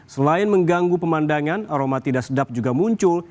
selain mengganggu pemandangan aroma tidak sedap juga muncul